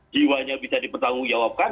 jiwanya bisa dipertanggungjawabkan